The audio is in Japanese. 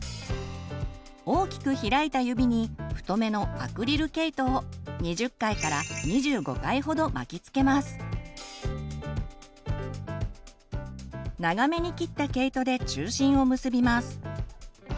大きく開いた指に太めのアクリル毛糸を長めに切った毛糸で中心を結びます。